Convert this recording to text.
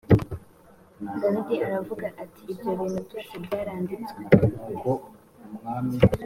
dawidi aravuga ati ibyo bintu byose byaranditswe